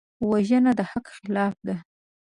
وژنه د حق خلاف ده